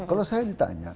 kalau saya ditanya